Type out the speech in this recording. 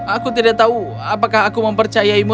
aku tidak tahu apakah aku mempercayaimu